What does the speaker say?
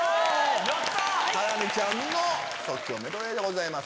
ハラミちゃんの即興メドレーです